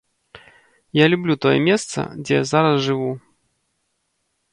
Я люблю тое месца, дзе я зараз жыву.